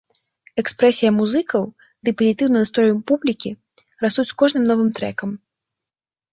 Экспрэсія музыкаў ды пазітыўны настрой публікі растуць з кожным новым трэкам.